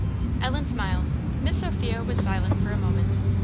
Ellen smiled. Miss Sophia was silent for a moment.